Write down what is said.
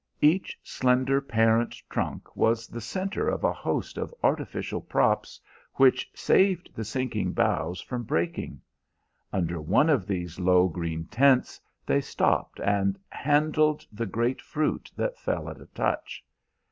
Each slender parent trunk was the centre of a host of artificial props, which saved the sinking boughs from breaking. Under one of these low green tents they stopped and handled the great fruit that fell at a touch.